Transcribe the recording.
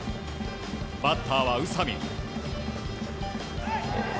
バッターは宇佐見。